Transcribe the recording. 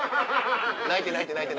泣いて泣いて泣いて。